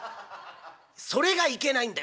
「それがいけないんだよ」。